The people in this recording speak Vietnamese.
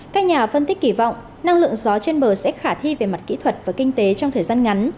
các nhà phân tích kỳ vọng năng lượng gió trên bờ sẽ khả thi về mặt kỹ thuật và kinh tế trong thời gian ngắn